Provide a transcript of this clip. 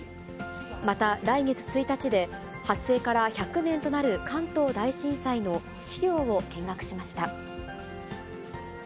また、来月１日で、発生から１００年となる関東大震災の資料を見学しました。